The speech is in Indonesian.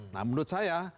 nah menurut saya